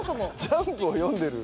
『ジャンプ』を読んでる。